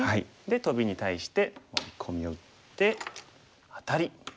トビに対してワリコミを打ってアタリ。